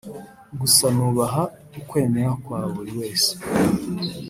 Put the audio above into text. gusa nubaha ukwemera kwa buri wese